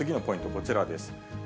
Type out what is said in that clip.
こちらです。